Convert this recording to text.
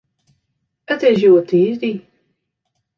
It is hjoed tiisdei.